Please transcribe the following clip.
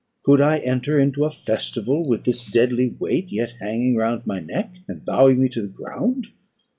Could I enter into a festival with this deadly weight yet hanging round my neck, and bowing me to the ground.